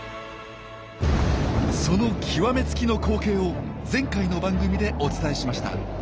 その極め付きの光景を前回の番組でお伝えしました。